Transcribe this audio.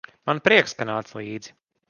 Man prieks, ka nāc līdzi.